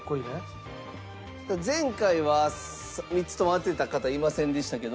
前回は３つとも当てた方いませんでしたけど。